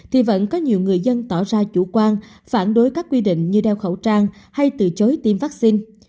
thì vẫn có nhiều người dân tỏ ra chủ quan phản đối các quy định như đeo khẩu trang hay từ chối tiêm vaccine